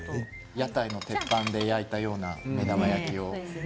屋台の鉄板で焼いたような目玉焼きを。